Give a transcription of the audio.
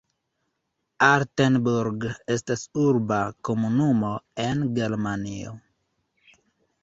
Altenburg estas urba komunumo en Germanio.